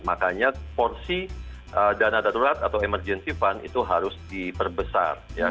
makanya porsi dana darurat atau emergency fund itu harus diperbesar